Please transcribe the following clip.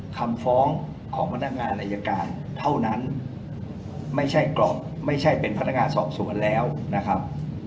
คำฟ้องของพนักงานอายการเท่านั้นไม่ใช่กรอบไม่ใช่เป็นพนักงานสอบสวนแล้วนะครับ